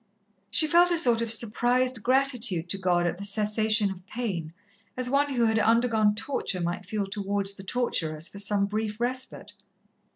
She felt a sort of surprised gratitude to God at the cessation of pain, as one who had undergone torture might feel towards the torturers for some brief respite.